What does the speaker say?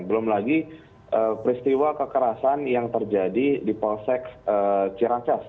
belum lagi peristiwa kekerasan yang terjadi di polsek ciracas